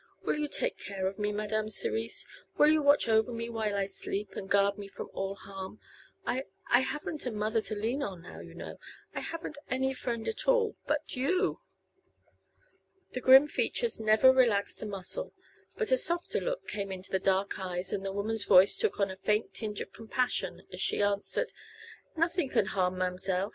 Will you take care of me, Madame Cerise? Will you watch over me while I sleep and guard me from all harm? I I haven't any mother to lean on now, you know; I haven't any friend at all but you!" The grim features never relaxed a muscle; but a softer look came into the dark eyes and the woman's voice took on a faint tinge of compassion as she answered: "Nothing can harm ma'm'selle.